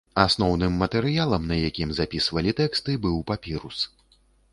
Асноўным матэрыялам, на якім запісвалі тэксты, быў папірус.